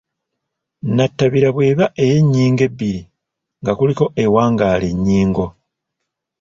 nnatabira bw’eba ey’ennyingo ebbiri nga kuliko ewangaala ennyingo